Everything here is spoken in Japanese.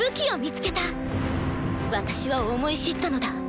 私は思い知ったのだ。